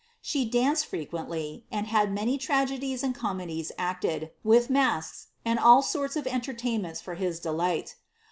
She danced frequently, and had many tragedies and comedies acted, with masks, and all sorts of entertainments for his delight.